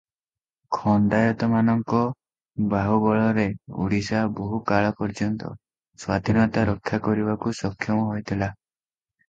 ଖଣ୍ତାଏତମାନଙ୍କ ବାହୁବଳରେ ଓଡ଼ିଶା ବହୁ କାଳପର୍ଯ୍ୟନ୍ତ ସ୍ୱାଧୀନତା ରକ୍ଷା କରିବାକୁ ସକ୍ଷମ ହୋଇଥିଲା ।